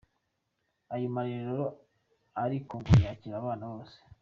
Ayo marerero ariko ngo yakira abana bose.